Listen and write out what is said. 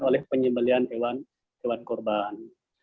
oleh penyembelian hewan korban